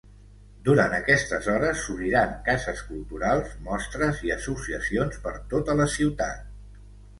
Durant aquestes hores s’obriran cases culturals, mostres i associacions per tota la ciutat.